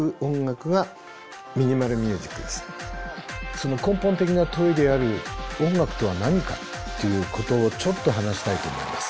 その根本的な問いである音楽とは何かっていうことをちょっと話したいと思います。